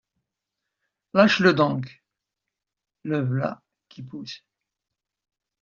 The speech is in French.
Lâche-le donc! le v’là qui pousse...